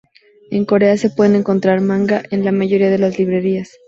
En Corea, se puede encontrar manga en la mayoría de las librerías.